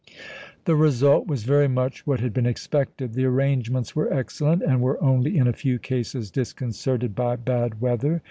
The result was very much what had been expected. The arrangements were excellent, and were only in a few cases disconcerted by bad weather.